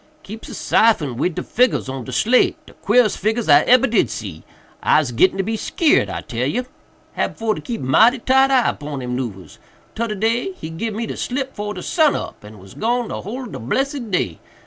"Keeps a syphon wid de figgurs on de slate—de queerest figgurs I ebber did see. Ise gittin' to be skeered, I tell you. Hab for to keep mighty tight eye 'pon him 'noovers. Todder day he gib me slip 'fore de sun up and was gone de whole ob de blessed day.